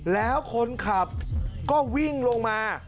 แล้วคนขับก็วิ่งลงมา